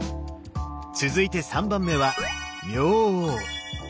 続いて３番目は「明王」。